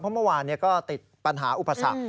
เพราะเมื่อวานก็ติดปัญหาอุปสรรค